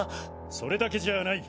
それだけじゃない。